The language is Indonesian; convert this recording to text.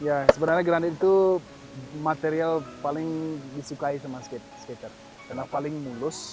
ya sebenarnya granded itu material paling disukai sama skater karena paling mulus